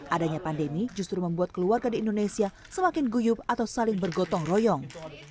adanya pandemi justru membuat keluarga di indonesia semakin guyup atau saling bergotong royong